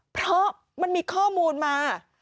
เพราะมันมีข้อมูลมา